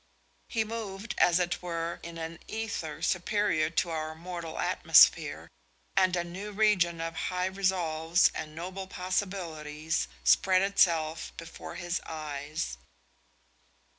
He moved, as it were, in an ether superior to our mortal atmosphere, and a new region of high resolves and noble possibilities spread itself before his eyes.